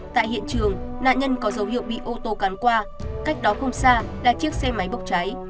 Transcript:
tại hiện trường nạn nhân có dấu hiệu bị ô tô cán qua cách đó không xa là chiếc xe máy bốc cháy